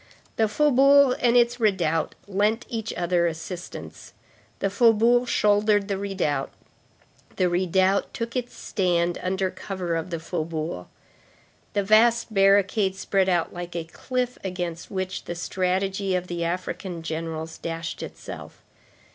The faubourg and its redoubt lent each other assistance. The faubourg shouldered the redoubt, the redoubt took its stand under cover of the faubourg. The vast barricade spread out like a cliff against which the strategy of the African generals dashed itself.